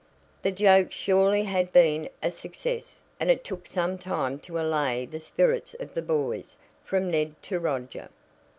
The joke surely had been a success, and it took some time to allay the spirits of the boys, from Ned to Roger.